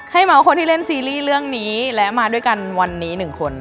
เมาส์คนที่เล่นซีรีส์เรื่องนี้และมาด้วยกันวันนี้หนึ่งคน